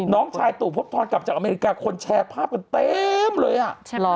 น้องชายตู่พบทรกลับจากอเมริกาคนแชร์ภาพกันเต็มเลยอ่ะ